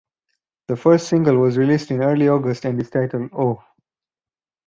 The first single was released in early August and is titled Oh.